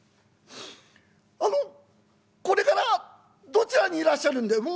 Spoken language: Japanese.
あのこれからどちらにいらっしゃるんで」。